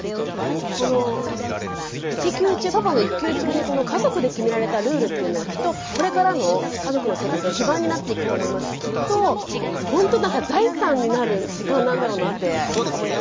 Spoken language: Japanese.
このパパの育休中に家族で決められたルールというのはきっとこれからの家族の生活の基盤になっていくと思いますしきっとほんと財産になる時間なんだろうなって思いましたね。